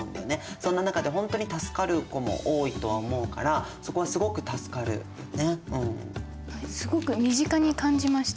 そんな中でほんとに助かる子も多いとは思うからそこはすごく助かるよね。